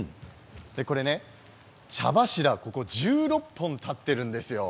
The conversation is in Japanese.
これは茶柱、１６本立っているんです。